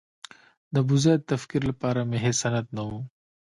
د ابوزید د تکفیر لپاره مې هېڅ سند نه و.